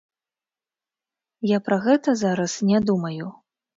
Я пра гэта зараз не думаю.